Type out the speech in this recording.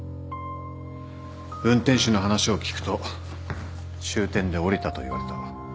運転手の話を聞くと終点で降りたと言われた。